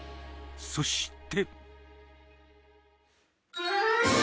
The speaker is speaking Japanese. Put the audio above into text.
そして。